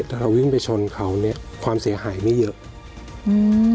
แต่เราวิ่งไปชนเขาเนี้ยความเสียหายไม่เยอะอืม